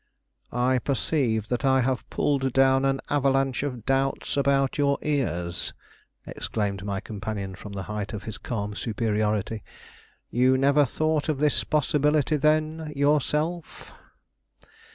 "I perceive that I have pulled down an avalanche of doubts about your ears," exclaimed my companion from the height of his calm superiority. "You never thought of this possibility, then, yourself?"